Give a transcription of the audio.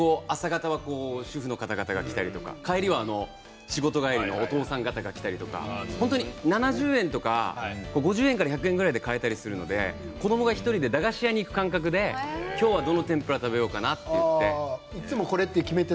学校帰りは制服の子たちが来るし朝には主婦の子がきたり仕事帰りのお父さんが来たり本当に７０円とか５０円とか１００円ぐらいで買えたりするので子どもが１人で駄菓子屋に行く感覚で今日はどの天ぷらを食べようかなって。